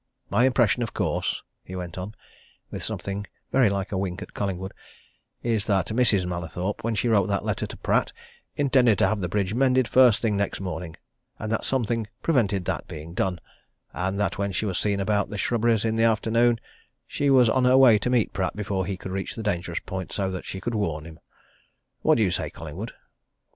My impression, of course," he went on, with something very like a wink at Collingwood, "is that Mrs. Mallathorpe, when she wrote that letter to Pratt, intended to have the bridge mended first thing next morning, and that something prevented that being done, and that when she was seen about the shrubberies in the afternoon, she was on her way to meet Pratt before he could reach the dangerous point, so that she could warn him. What do you say, Collingwood?"